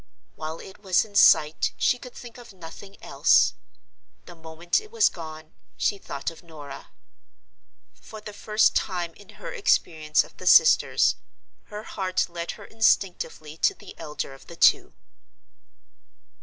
While it was in sight she could think of nothing else. The moment it was gone, she thought of Norah. For the first time in her experience of the sisters her heart led her instinctively to the elder of the two.